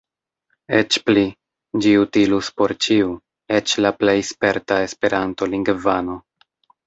Eĉ pli – ĝi utilus por ĉiu, eĉ la plej sperta Esperanto-lingvano.